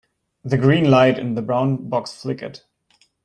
The green light in the brown box flickered.